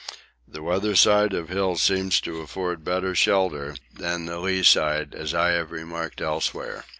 The weather side of hills seems to afford better shelter than the lee side, as I have remarked elsewhere.